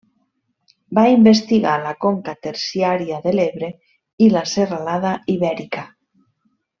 Va investigar la conca terciària de l'Ebre i la serralada Ibèrica.